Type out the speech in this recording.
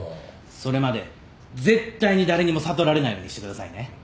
それまで絶対に誰にも悟られないようにしてくださいね。